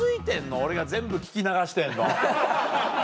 俺が全部聞き流してんの。